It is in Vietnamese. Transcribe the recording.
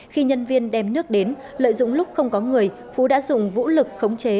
khi nhân viên đem nước đến lợi dụng lúc không có người phú đã dùng vũ lực khống chế